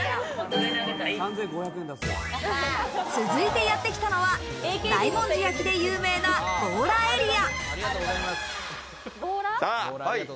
続いてやってきたのは、大文字焼で有名な強羅エリア。